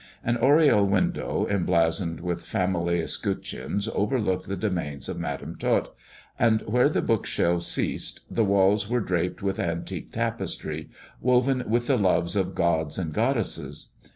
An oriel window, emblazoned with family escut cheons, overlooked the domain of Madam Tot ; and where the bookshelves ceased, the walls were draped with antique tapestry, woven with the loves of gods and goddesses.